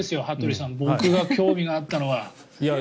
羽鳥さん、僕が興味あったのは。